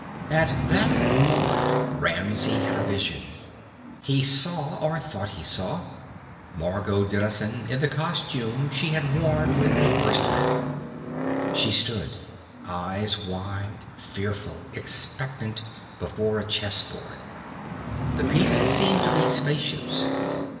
At that moment Ramsey had a vision. He saw or thought he saw Margot Dennison in the costume she had worn when they first met. She stood, eyes wide, fearful, expectant, before a chess board. The pieces seemed to be spaceships.